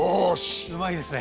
うまいですね！